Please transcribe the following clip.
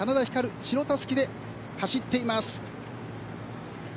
白たすきで走っています。